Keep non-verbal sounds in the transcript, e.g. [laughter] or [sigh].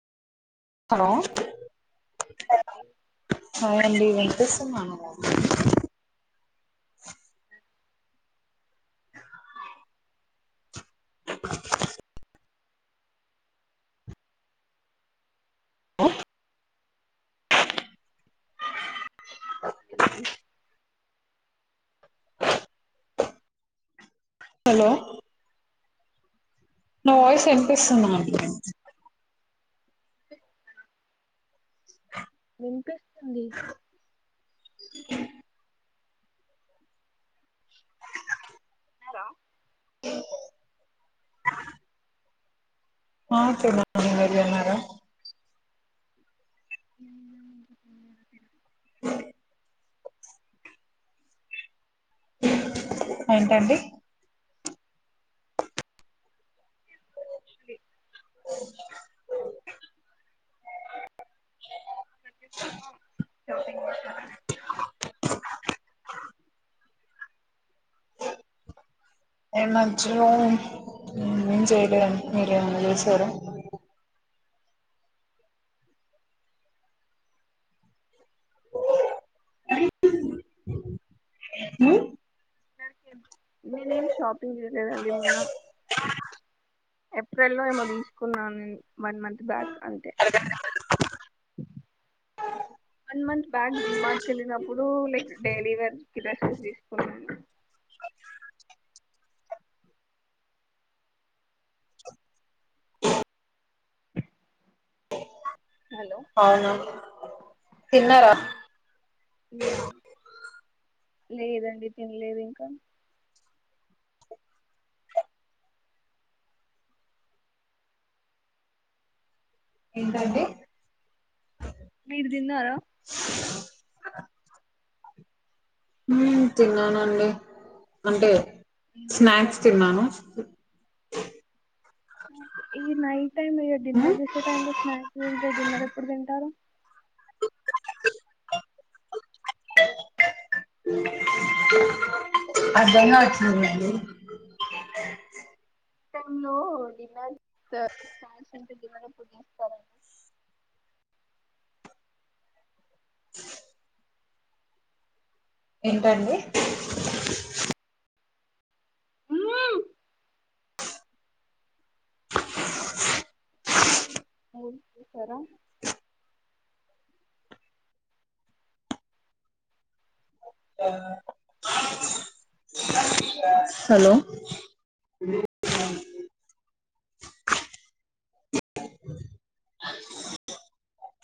hello hi అండి just మనలండి ఓ హుమాన్స్ హలో నా హలో వాయిస్ ఎన్పిస్తుందండి విన్పిస్తుంది తినరా ఆ తిన్న మీరు తిన్నారా [unintelligible] ఏంటండి షాపింగ్ చేసారా ఇ మధ్యలో ఏం చేయలేదండి మీరేమన్నా చేసరే నేనేం షాపింగ్ చేయలేదండి మొన్న ఏప్రిల్ లో ఏమో తీసుకున్నాను నేను వన్ మంత్ బ్యాక్ అంతే వన్ మంత్ బ్యాక్ డీమార్ట్కెలినప్పుడు లైక్ డైలీ వేర్కి డ్రెస్సెస్ తీసుకునన్ను హలో అవునా తిన్నారా నో లేదండి తిన్లేదింకా ఏంటండీ మీరుదిన్నరా ఊ తిన్నానండి అంటే ఏం స్నాక్స్ చేశారు తిన్నాను ఊ ఈ నైట్టైమూ ఇగ మ్మ్ డిన్నర్ జేసే టైంలో స్నాక్స్ ఏం తే డిన్నరెప్పుడు తింటారు అర్ధంకాట్లేదు టైంలో డిన్నర్ స్నాక్స్ తింటే డిన్నరెప్పుడు చేస్తారండి ఏంటండి అ భోం చేశారా ఆ హాలో